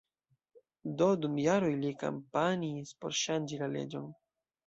Do dum jaroj li kampanjis por ŝanĝi la leĝon.